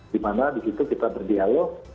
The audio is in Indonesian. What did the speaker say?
dimana di situ kita berdialog